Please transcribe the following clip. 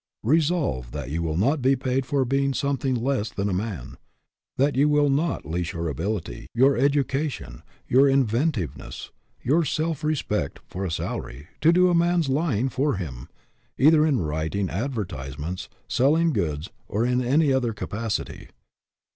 Resolve that you will not be paid for being something less than a man; that you will not lease your ability, your education, your inven tiveness, your self respect, for salary, to do a man's lying for him; either in writing adver tisements, selling goods, or in any other capacity.